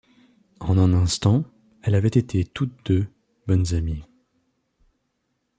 En un instant, elles avaient été toutes deux bonnes amies.